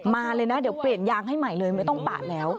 มาเลยนะเดี๋ยวเปลี่ยนยางให้ใหม่เลยไม่ต้องปาดแล้ว